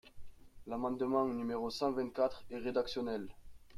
L’amendement numéro cent vingt-quatre est rédactionnel.